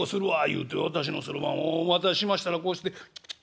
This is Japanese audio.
言うて私のそろばんお渡ししましたらこうして」。